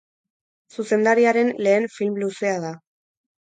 Zuzendariaren lehen film-luzea da.